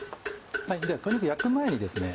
鶏肉焼く前にですね